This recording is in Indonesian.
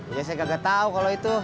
iya saya kagak tau kalau itu